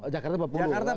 jakarta empat puluh juta